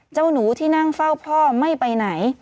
เจ้าหนูที่นั่งเฝ้าพ่อไม่ไปไหน